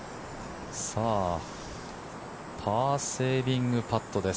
パーセービングパットです。